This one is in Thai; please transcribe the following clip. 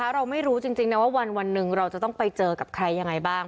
เราไม่รู้จริงนะว่าวันหนึ่งเราจะต้องไปเจอกับใครยังไงบ้าง